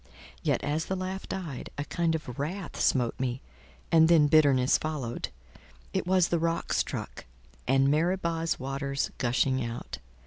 Yet as the laugh died, a kind of wrath smote me, and then bitterness followed: it was the rock struck, and Meribah's waters gushing out.